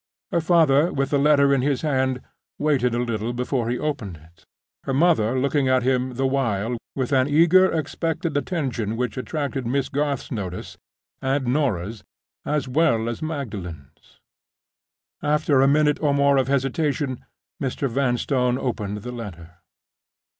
Her father, with the letter in his hand, waited a little before he opened it; her mother looking at him, the while, with an eager, expectant attention which attracted Miss Garth's notice, and Norah's, as well as Magdalen's. After a minute or more of hesitation Mr. Vanstone opened the letter.